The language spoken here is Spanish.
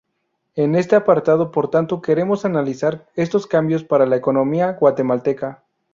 En este apartado por tanto queremos analizar estos cambios para la economía guatemalteca.